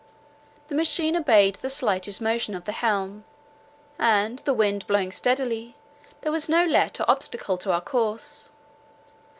The machine obeyed the slightest motion of the helm; and, the wind blowing steadily, there was no let or obstacle to our course.